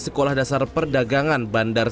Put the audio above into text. sekolah dasar perdagangan bandar